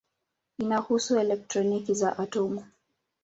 Inahusu elektroni za atomu.